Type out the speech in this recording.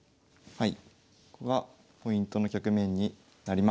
はい。